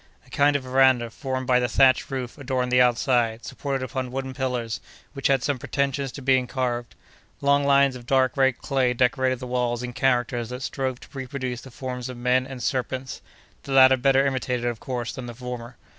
A kind of veranda, formed by the thatched roof, adorned the outside, supported upon wooden pillars, which had some pretensions to being carved. Long lines of dark red clay decorated the walls in characters that strove to reproduce the forms of men and serpents, the latter better imitated, of course, than the former.